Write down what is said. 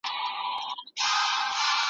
ما ته امر وشو چې سمدستي له کوره ووځم.